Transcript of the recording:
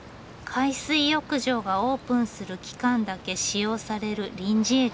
海水浴場がオープンする期間だけ使用される臨時駅。